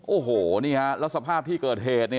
โอ้โหนี่ฮะแล้วสภาพที่เกิดเหตุ